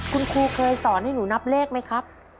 คุณครูเคยสอนให้หนูนับเลขไหมครับ